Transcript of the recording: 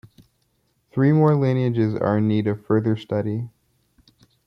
Three more lineages are in need of further study.